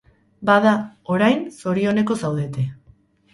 Bada, orain, zorioneko zaudete.